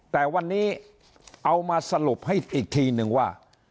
แต่วันนี้เอามาสรุปให้อีกทีนึงว่า